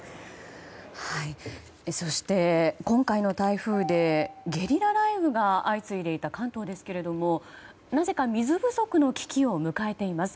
そして、今回の台風でゲリラ雷雨が相次いでいた関東ですけども、なぜか水不足の危機を迎えています。